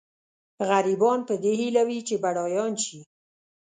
غریبان په دې هیله وي چې بډایان شي.